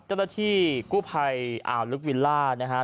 เจ้าหน้าที่กู้ภัยอ่าวลึกวิลล่านะฮะ